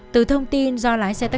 từ thông tin do lái xe taxi